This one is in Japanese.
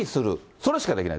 それしかできない。